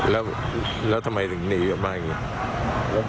แล้วแล้วทำไมถึงหนีออกมาเป็นแง่